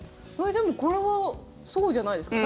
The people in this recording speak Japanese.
でもこれはそうじゃないですか？